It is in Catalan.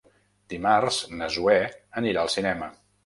Dimarts na Zoè anirà al cinema.